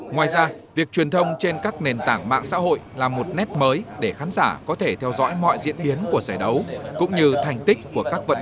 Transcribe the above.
ngoài ra việc truyền thông trên các nền tảng mạng xã hội là một lần đầu tiên